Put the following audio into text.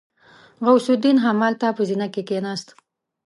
غوث الدين همالته په زينه کې کېناست.